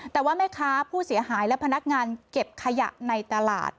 แต่ว่าแม่ค้าผู้เสียหายและพนักงานเก็บขยะในตลาด